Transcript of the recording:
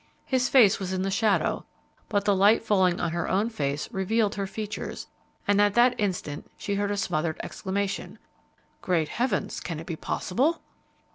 His face was in the shadow, but the light falling on her own face revealed her features, and at that instant she heard a smothered exclamation, "Great heavens! can it be possible?"